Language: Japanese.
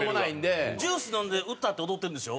ジュース飲んで歌って踊ってるんでしょ？